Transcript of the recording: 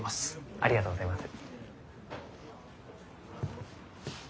ありがとうございます。